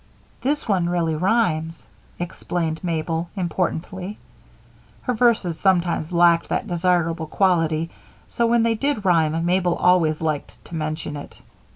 "This one really rhymes," explained Mabel, importantly. Her verses sometimes lacked that desirable quality, so when they did rhyme Mabel always liked to mention it.